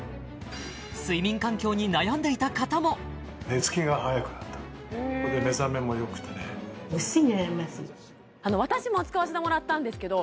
睡眠環境に悩んでいた方も私も使わせてもらったんですけど